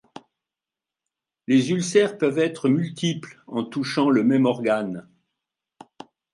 Les ulcères peuvent être multiples en touchant le même organe.